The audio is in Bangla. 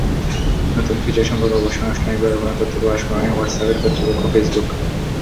নতুন ফিচার সম্পর্কে অবশ্য আনুষ্ঠানিকভাবে কোনো তথ্য প্রকাশ করেনি হোয়াটসঅ্যাপের কর্তৃপক্ষ ফেসবুক।